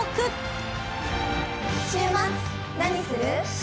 週末何する？